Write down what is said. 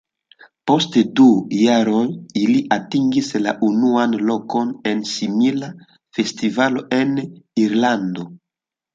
Post du jaroj ili atingis la unuan lokon en simila festivalo en Irlando.